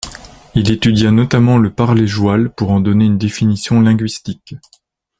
Il étudia notamment le parlé joual pour en donner une définition linguistique.